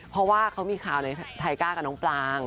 เพราะว่าเขามีข่าวในไทก้ากับน้องปลาง